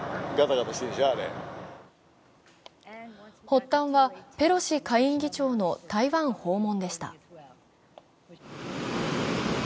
発端はペロシ下院議長の台湾訪問でした。